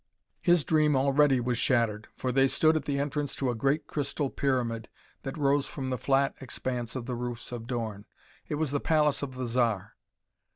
His dream already was shattered for they stood at the entrance to a great crystal pyramid that rose from the flat expanse of the roofs of Dorn. It was the palace of the Zar.